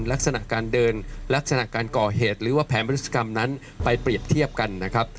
ลักษณะการเดินลักษณะการก่อเหตุหรือว่าแผนบริษกรรมนั้นไปเปรียบเทียบกันนะครับ